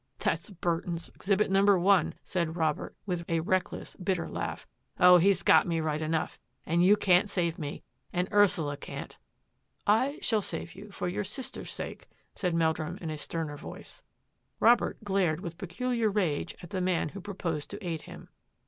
" That's Burton's exhibit No. 1," said Robert, with a reckless, bitter laugh. " Oh, he's got me right enough, and you can't save me — and Ursula can't." " I shall save you for your sister's sake," said Meldrum in sterner voice. Robert glared with peculiar rage at the man who proposed to aid him.